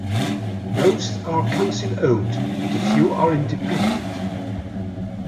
Most are council-owned but a few are independent.